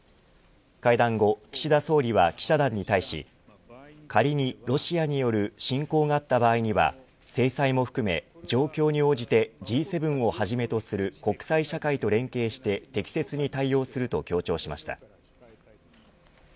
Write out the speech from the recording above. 会談後、岸田総理は記者団に対し仮にロシアによる侵攻があった場合には制裁も含め、状況に応じてＧ７をはじめとする国際社会と連携して適切に対応すると強調しました。